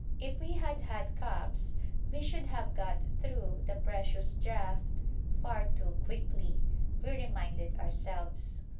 If we had had cups we should have got through the precious draught far too quickly, we reminded ourselves.